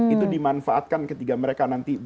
itu dimanfaatkan ketika mereka nanti